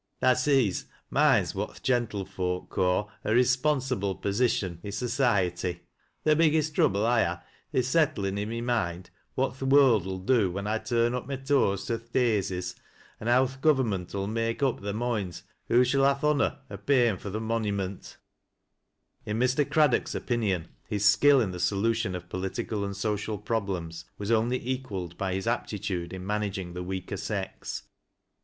Tha sees mine's what th' gentlefolk ca' a responsi ble position i' society. Th' biggest trouble I ha', is settUn' i' my moind what th' world 'ill do when I tarn up my toes to th' daisies, an' how the government'll mak' up their moinds who shall ha' th' ho lor o' payin' for th' monim^t." In Mr. Craddock's opinion, his skill in the solution oi political and social problems was only equaled by hie aptitude in managing the weaker sex.